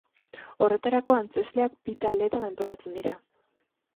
Horretarako antzezleak bi taldetan antolatzen dira.